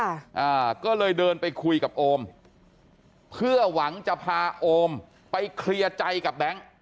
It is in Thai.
อ่าก็เลยเดินไปคุยกับโอมเพื่อหวังจะพาโอมไปเคลียร์ใจกับแบงค์